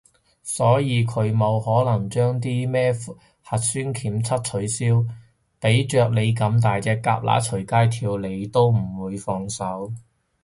所以佢冇可能將啲咩核算檢測取消，畀着你咁大隻蛤乸隨街跳你都唔會放手